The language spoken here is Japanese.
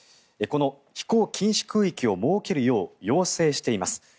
この飛行禁止空域を設けるよう要請しています。